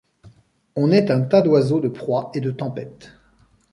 On est un tas d'oiseaux de proie et de tempête